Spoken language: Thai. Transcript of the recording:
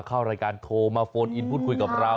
เข้ารายการโทรมาโฟนอินพูดคุยกับเรา